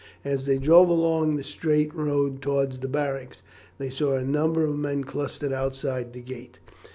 As they drove along the straight road towards the barracks, they saw a number of men clustered outside the gate.